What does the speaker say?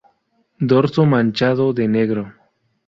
Dorso manchado de negro.